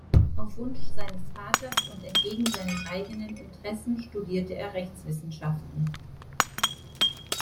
Auf Wunsch seines Vaters und entgegen seinen eigenen Interessen studierte er Rechtswissenschaften.